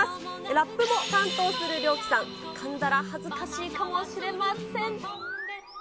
ラップも担当するリョウキさん、かんだら恥ずかしいかもしれません。